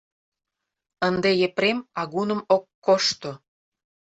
Ынде Епрем агуным ок кошто.